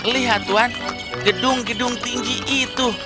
lihat tuhan gedung gedung tinggi itu